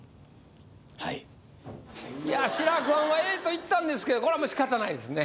はい志らくはんはＡと言ったんですけどこれはもうしかたないですね